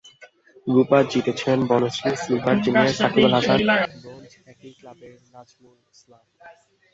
রুপা জিতেছেন বনশ্রীর সিলভার জিমের সাকিব আল-হাসান, ব্রোঞ্জ একই ক্লাবের নাজমুল ইসলাম।